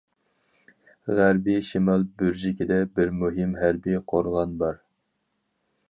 غەربىي شىمال بۇرجىكىدە بىر مۇھىم ھەربىي قورغان بار.